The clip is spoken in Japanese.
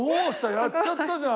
やっちゃったじゃん。